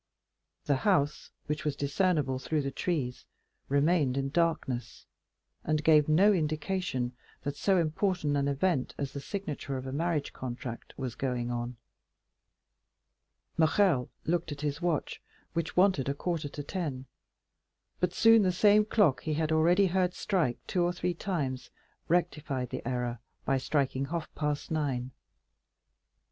The house, which was discernible through the trees, remained in darkness, and gave no indication that so important an event as the signature of a marriage contract was going on. Morrel looked at his watch, which wanted a quarter to ten; but soon the same clock he had already heard strike two or three times rectified the error by striking half past nine.